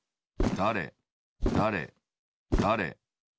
だれだれ